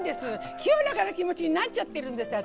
清らかな気持ちになっちゃってるんです、私。